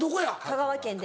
香川県で。